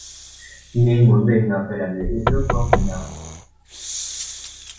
nên muốn về nhà phải làm lễ rước vong về nhà